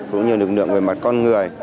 cũng như lực lượng về mặt con người